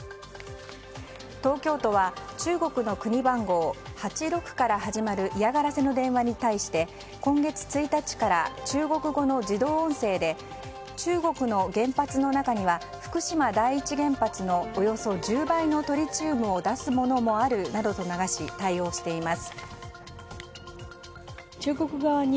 東京都は中国の国番号８６から始まる嫌がらせの電話に対して今月１日から中国語の自動音声で中国の原発の中には福島第一原発のおよそ１０倍のトリチウムを出すものもあるなどと流し対応しています。